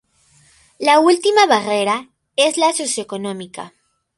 La última barrera es la socioeconómica.